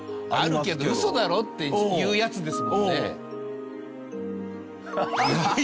あるけど嘘だろっていうやつですもんね。